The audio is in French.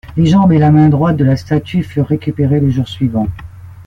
Les jambes et la main droite de la statue furent récupérées le jour suivant.